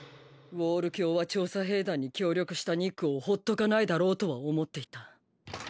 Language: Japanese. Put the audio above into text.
ウォール教は調査兵団に協力したニックをほっとかないだろうとは思っていた。